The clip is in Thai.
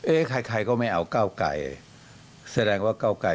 เอ๊ะใครก็ไม่เอาเก้าไก่